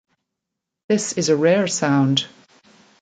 This is a rare sound.